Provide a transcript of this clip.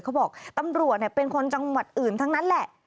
เขาบอกตำรวจเป็นคนจังหวัดอื่นทั้งนั้นแหละ